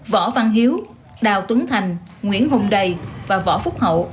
võ văn hiếu đào tuấn thành nguyễn hùng đầy và võ phúc hậu